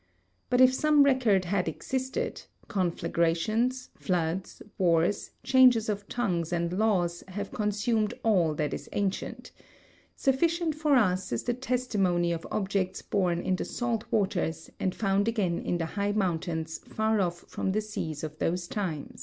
But if some record had existed, conflagrations, floods, wars, changes of tongues and laws have consumed all that is ancient; sufficient for us is the testimony of objects born in the salt waters and found again in the high mountains far off from the seas of those times.